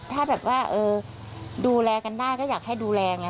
ถ้าแบบว่าดูแลกันได้ก็อยากให้ดูแลไง